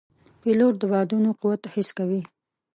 پیلوټ د بادونو قوت حس کوي.